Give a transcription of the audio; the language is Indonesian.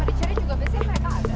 pada caranya juga biasanya mereka ada